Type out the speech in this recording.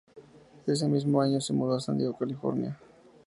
Ese mismo año se mudó a San Diego, California.